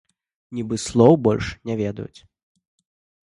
Нібы слоў больш не ведаюць.